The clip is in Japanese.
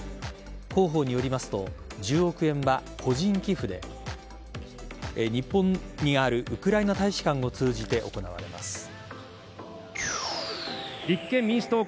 広報によりますと１０億円は個人寄付で日本にあるウクライナ大使館を通じて行われます。